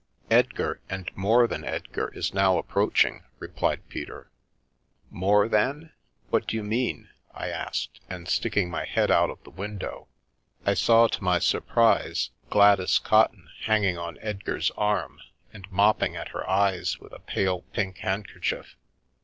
" Edgar, and more than Edgar is now approaching," replied Peter. " More than ? What d'you mean?" I asked, and sticking my head out of the window, I saw, to my sur prise, Gladys Cotton, hanging on Edgar's arm, and mop ping at her eyes with a pale pink handkerchief.